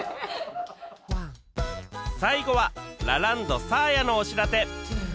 最後はラランドサーヤの推しラテ